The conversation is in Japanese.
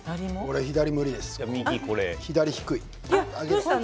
左、無理です。